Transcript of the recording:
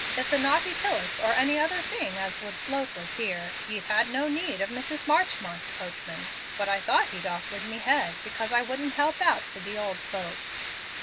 If the Naughty Tillus, or any other thing as would float was here, ye'd had no need of Mrs. Marchmont's coachman. But I thought he'd off wid me head because I wouldn't help out wid the ould boat."